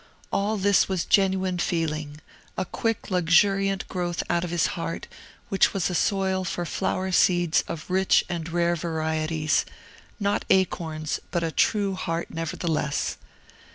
All this was genuine feeling, a quick, luxuriant growth out of his heart, which was a soil for flower seeds of rich and rare varieties, not acorns, but a true heart, nevertheless.